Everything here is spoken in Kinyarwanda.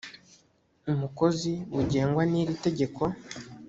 umukozi bugengwa n iri tegeko